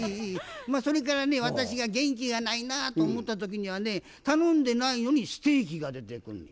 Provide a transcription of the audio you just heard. それからね私が元気がないなと思った時にはね頼んでないのにステーキが出てくるのや。